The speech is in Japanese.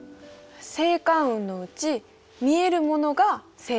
星間雲のうち見えるものが星雲。